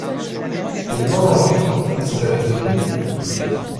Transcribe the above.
Il mange, mais c'est avec dégoût.